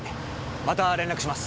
また連絡します。